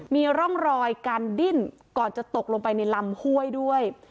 มีร่องรอยการดิ้นก่อนจะตกลงไปในลำห้วยด้วย